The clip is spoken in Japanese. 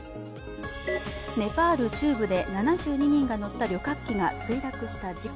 ネパール中部で７２人が乗った旅客機が墜落した事故。